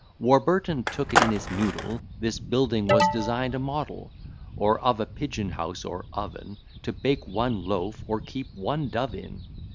Warburton took it in his noddle, This building was design'd a model; Or of a pigeon house or oven, To bake one loaf, or keep one dove in.